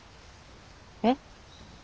えっ？